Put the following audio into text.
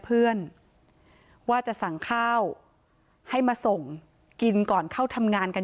เพื่อนว่าจะสั่งข้าวให้มาส่งกินก่อนเข้าทำงานกัน